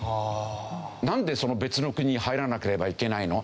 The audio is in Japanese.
なんでその別の国に入らなければいけないの？